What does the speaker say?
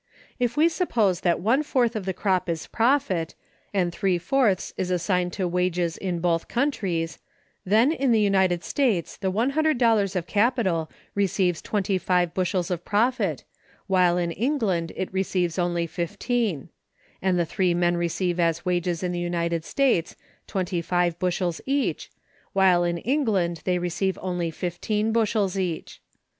If we suppose that one fourth of the crop is profit, and three fourths is assigned to wages in both countries, then in the United States the one hundred dollars of capital receives twenty five bushels of profit, while in England it receives only fifteen; and the three men receive as wages in the United States twenty five bushels each, while in England they receive only fifteen bushels each.